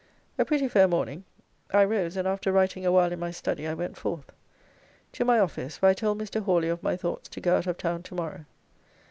A pretty fair morning, I rose and after writing a while in my study I went forth. To my office, where I told Mr. Hawly of my thoughts to go out of town to morrow.